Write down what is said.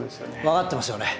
分かってますよね。